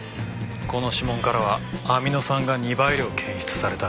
この指紋からはアミノ酸が２倍量検出された。